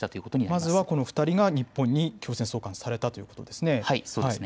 まずこの２人が日本に強制送還されたということですね。